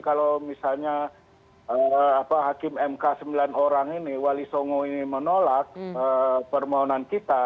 kalau misalnya hakim mk sembilan orang ini wali songo ini menolak permohonan kita